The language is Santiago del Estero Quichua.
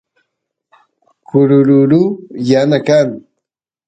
kururu yana kan